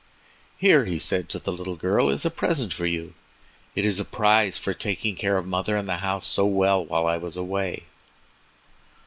"Here," he said to the little girl, "is a present for you. It is a prize for taking care of mother and the house so well while I was away."